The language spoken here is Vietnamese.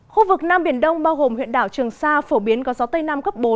khu vực nam biển đông bao gồm huyện đảo trường sa phổ biến có gió tây nam cấp bốn